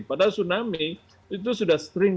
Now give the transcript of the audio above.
padahal tsunami itu sudah sering